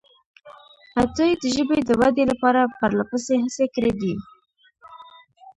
عطایي د ژبې د ودې لپاره پرلهپسې هڅې کړې دي.